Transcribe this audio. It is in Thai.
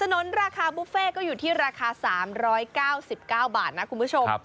นุนราคาบุฟเฟ่ก็อยู่ที่ราคา๓๙๙บาทนะคุณผู้ชม